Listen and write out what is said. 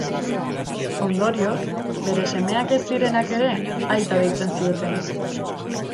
Ondorioz, bere semeak ez zirenak ere aita deitzen zioten.